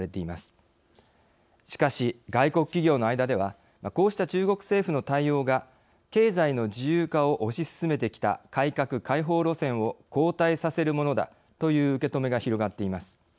しかし外国企業の間ではこうした中国政府の対応が経済の自由化を推し進めてきた改革開放路線を後退させるものだという受け止めが広がっています。